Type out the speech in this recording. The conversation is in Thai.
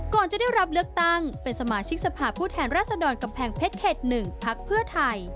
ก่อนจะได้รับเลือกตั้งเป็นสมาชิกสภาพผู้แทนรัศดรกำแพงเพชรเขต๑พักเพื่อไทย